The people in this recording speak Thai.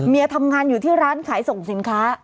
ทำงานอยู่ที่ร้านขายส่งสินค้า